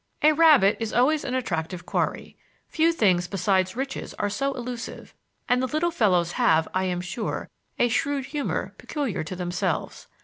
A rabbit is always an attractive quarry. Few things besides riches are so elusive, and the little fellows have, I am sure, a shrewd humor peculiar to themselves.